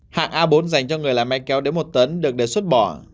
hạng a bốn dành cho người làm máy kéo đến một tấn được đề xuất bỏ